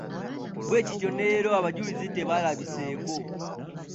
Bwe kityo ne leero abajulizi tebalabiseeko.